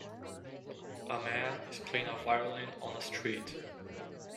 A man is playing a violin on a street.